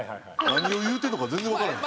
何を言うてるのか全然わからん。